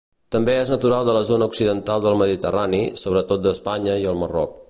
També és natural de la zona occidental del Mediterrani, sobretot d'Espanya i el Marroc.